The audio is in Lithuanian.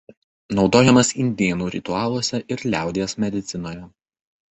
Naudojamas indėnų ritualuose ir liaudies medicinoje.